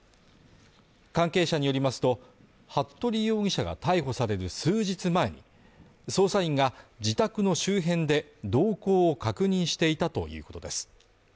関係者によりますと、服部容疑者が逮捕される数日前に、捜査員が自宅の周辺で動向を確認していたということです。